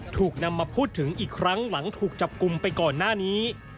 ถูกนำมาพูดถึงอีกครั้งหลังถูกจับกลุ่มไปก่อนหน้านี้